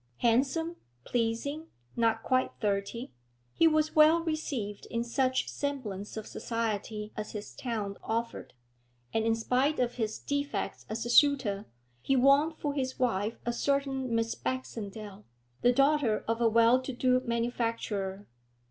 Handsome, pleasing, not quite thirty, he was well received in such semblance of society as his town offered, and, in spite of his defects as a suitor, he won for his wife a certain Miss Baxendale, the daughter of a well to do manufacturer.